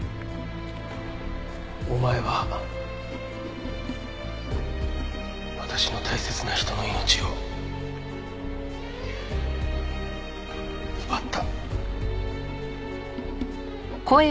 「お前は私の大切な人の命を奪った」